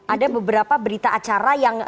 ada beberapa berita acara yang